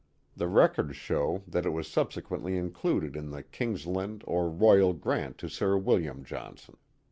The records show that it was subsequently included in the Kings land or Royal Grant to Sir William Johnson.